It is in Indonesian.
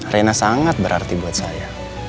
rena sangat berarti buat saya